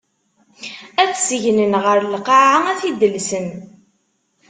Ad t-segnen ɣer lqaɛa, ad t-id-llsen.